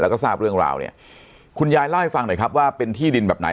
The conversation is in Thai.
แล้วก็ทราบเรื่องราวเนี่ยคุณยายเล่าให้ฟังหน่อยครับว่าเป็นที่ดินแบบไหน